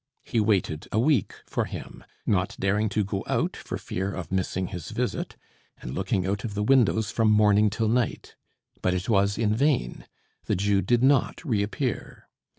He waited a week for him, not daring to go out for fear of missing his visit, and looking out of the windows from morning till night. But it was in vain; the Jew did not reappear.